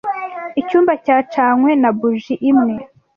Icyumba cyacanywe na buji imwe.